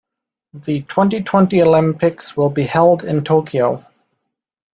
The twenty-twenty Olympics will be held in Tokyo.